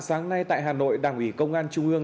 sáng nay tại hà nội đảng ủy công an trung ương